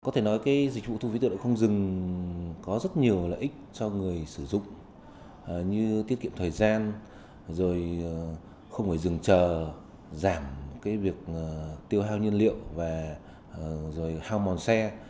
có thể nói dịch vụ thu phí tự động không dừng có rất nhiều lợi ích cho người sử dụng như tiết kiệm thời gian không ngồi dừng chờ giảm việc tiêu hao nhân liệu và hao mòn xe